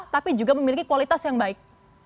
tapi juga memiliki kualitas yang baik